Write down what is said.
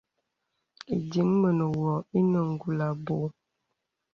Ìdiŋ mə̀ nə̀ wɔ̄ ònə kùl abùù.